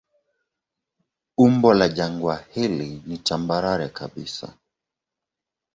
Umbo la jangwa hili ni tambarare kabisa.